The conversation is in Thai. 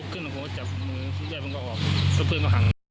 มันไม่รู้จักใครนะครับ